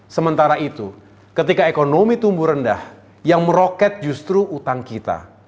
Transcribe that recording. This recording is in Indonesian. sementara itu ketika ekonomi tumbuh rendah yang meroket justru utang kita